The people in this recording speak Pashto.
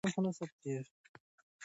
پېیر کوري د وسایلو پاکوالی یقیني کړ.